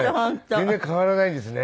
全然変わらないですね。